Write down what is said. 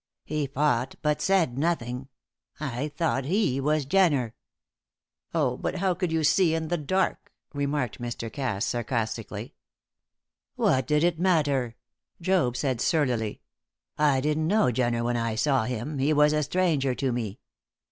He fought, but said nothing. I thought he was Jenner." "Oh, but you could see in the dark!" remarked Mr. Cass, sarcastically. "What did that matter?" Job said, surlily. "I didn't know Jenner when I saw him; he was a stranger to me."